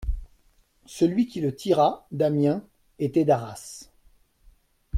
Celui qui le tira, Damiens, était d'Arras.